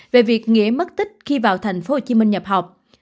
về việc nghĩa mất tích khi vào tp hcm nhập học